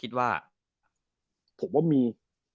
ผมว่ามี